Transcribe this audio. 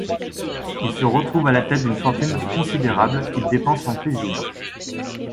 Il se retrouve à la tête d'une fortune considérable qu'il dépense en plaisirs.